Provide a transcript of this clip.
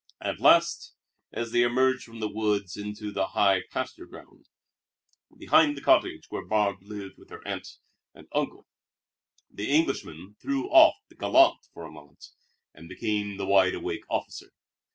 At last, as they emerged from the woods into a high pasture ground, behind the cottage where Barbe lived with her aunt and uncle, the Englishman threw off the gallant for a moment and became the wide awake officer.